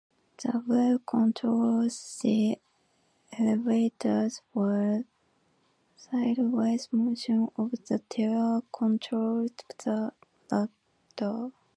The wheel controlled the elevators while sideways motion of the tiller controlled the rudder.